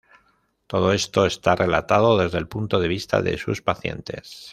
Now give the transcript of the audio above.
Todo esto está relatado desde el punto de vista de sus pacientes.